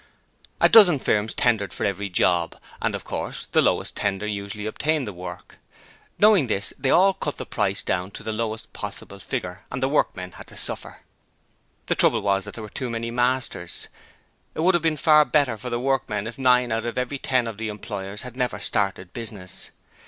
A dozen firms tendered for every 'job', and of course the lowest tender usually obtained the work. Knowing this, they all cut the price down to the lowest possible figure and the workmen had to suffer. The trouble was that there were too many 'masters'. It would have been far better for the workmen if nine out of every ten of the employers had never started business.